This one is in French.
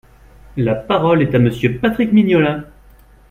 La parole est à Monsieur Patrick Mignola.